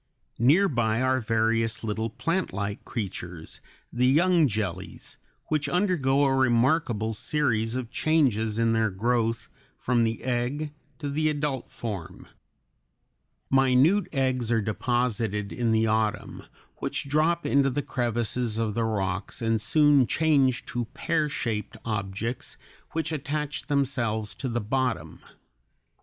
Near by are various little plantlike creatures, the young jellies, which undergo a remarkable series of changes in their growth from the egg to the adult form. Minute eggs are deposited in the autumn, which drop into the crevices of the rocks and soon change to pear shaped objects which attach themselves to the bottom.